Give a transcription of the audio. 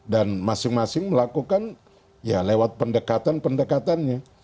dan masing masing melakukan ya lewat pendekatan pendekatannya